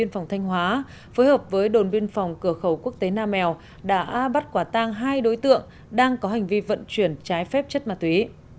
phòng thanh hóa phối hợp với đồn biên phòng cửa khẩu quốc tế nam mèo đã bắt quả tang hai đối tượng đang có hành vi vận chuyển trái phép chất ma túy